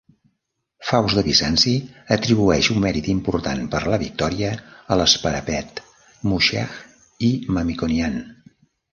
Faust de Bizanci atribueix un mèrit important per la victòria a l'sparapet Mushegh I Mamikonian.